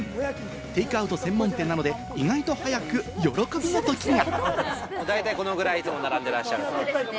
テイクアウト専門店なので、意外と早く喜びのときが。